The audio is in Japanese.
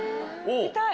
見たい。